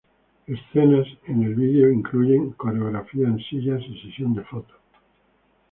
Escenas en el vídeo incluyen coreografía en sillas y sesión de fotos.